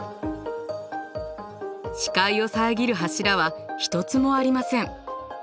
視界を遮る柱は一つもありません。